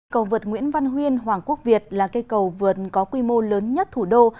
cầu vượt nguyễn văn huyên hoàng quốc việt là cây cầu vượt có quy mô lớn nhất thủ đô